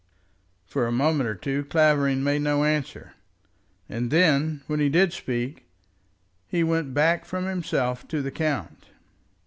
For a moment or two Clavering made no answer, and then, when he did speak, he went back from himself to the count.